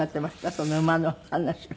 その馬のお話は。